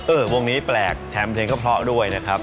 วงนี้แปลกแถมเพลงก็เพราะด้วยนะครับ